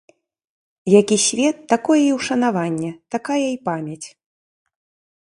Які свет, такое і ўшанаванне, такая і памяць.